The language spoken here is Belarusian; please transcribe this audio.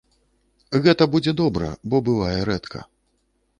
Гэта будзе добра, бо бывае рэдка.